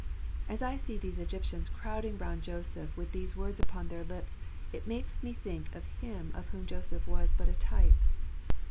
As I see these Egyptians crowding round Joseph with these words upon their lips, it makes me think of Him of whom Joseph was but a type.